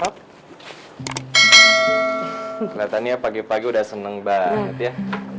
kelihatannya pagi pagi udah seneng banget ya